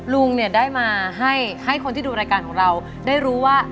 ลุงเนี่ยได้มาให้คนที่ดูรายการของเราได้รู้ว่า